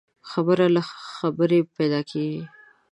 خبره له خبري پيدا کېږي.